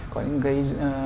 có những cái